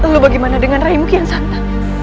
lu bagaimana dengan raimu kiansanta